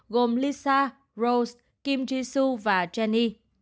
gồm lisa rose kim jisoo và jennie